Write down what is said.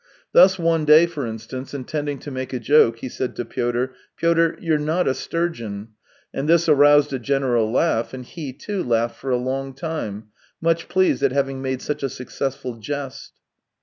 Thus, one day, for instance, intending to make a joke, he said to Pyotr: " Pyotr, you're not a sturgeon;" and this aroused a general laugh, and he, too, laughed for a long time, much pleased at having made such a successfiil jest.